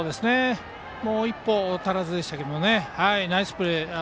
もう一歩足らずでしたけどナイスプレー